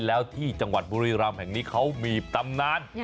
แล้วที่จังหวัดบุรีรำแห่งนี้เขามีตำนาน